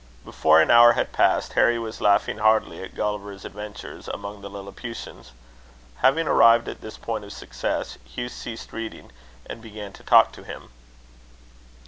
Before an hour had passed, Harry was laughing heartily at Gulliver's adventures amongst the Lilliputians. Having arrived at this point of success, Hugh ceased reading, and began to talk to him.